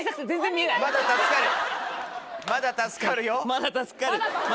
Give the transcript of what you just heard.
まだ助かる。